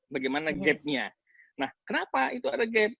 bagaimana gap nya nah kenapa itu ada gap